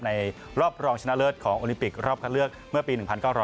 ในรอบรองชนะเลิศของโอลิมปิกรอบคัดเลือกเมื่อปี๑๙๐